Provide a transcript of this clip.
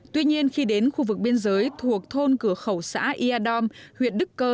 tuy nhiên khi đến khu vực biên giới thuộc thôn cửa khẩu xã ia dom huyện đức cơ